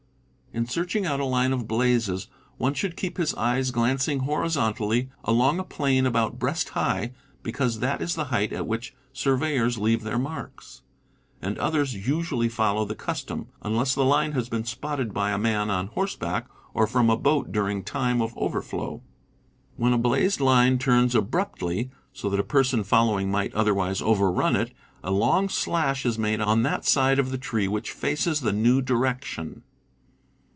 In searching out a line of blazes, one should keep his eyes glancing horizontally along a plane about breast high, because that is the height at which surveyors leave their marks, and others usually follow the cus tom, unless the line has been spotted by a man on horseback, or from a boat during time of overflow. When a blazed line turns abruptly, so that a person following might otherwise overrun it, a long slash is made on that side of the tree which faces the new direction.